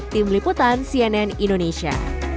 tim liputan cnn indonesia